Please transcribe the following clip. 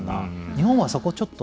日本はそこちょっと。